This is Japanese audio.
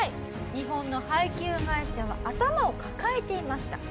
日本の配給会社は頭を抱えていました。